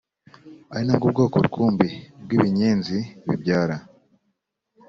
ari nabwo bwoko rukumbi bw’ibinyenzi bibyara